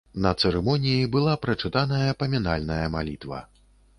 На цырымоніі была прачытаная памінальная малітва.